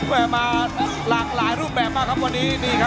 มาหลากหลายรูปแบบมากครับวันนี้นี่ครับ